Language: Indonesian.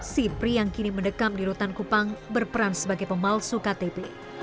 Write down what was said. sipri yang kini mendekam di rutan kupang berperan sebagai pemalsu ktp